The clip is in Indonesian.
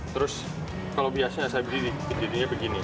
terus kalau biasanya saya berdiri berdiri begini